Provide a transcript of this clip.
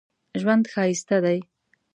ژوند ښایسته دی